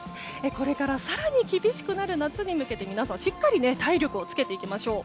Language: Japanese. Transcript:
これから更に厳しくなる夏に向けて皆さん、しっかり体力をつけていきましょう。